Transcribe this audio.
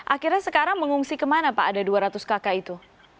akhirnya sekarang mengungsi kemana pak ada dua ratus kakak itu